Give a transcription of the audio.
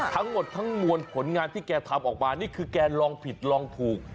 ทั้งหมดทั้งมวลผลงานที่แกทำออกมานี่คือแกลองผิดลองถูก